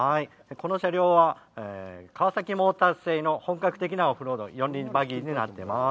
この車両は、カワサキモーターズ製の本格的なオフロード、四輪バギーになっています。